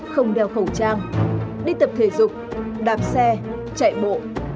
không đeo khẩu trang đi tập thể dục đạp xe chạy bộ